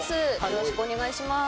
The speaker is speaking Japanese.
よろしくお願いします。